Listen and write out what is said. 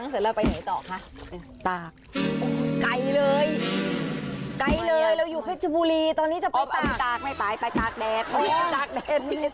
คุณผู้ชมขั้นตอนนี้สำคัญเหมือนกันนะ